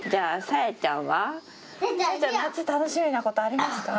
さやちゃん、夏、楽しみなことありますか？